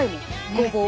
ごぼう。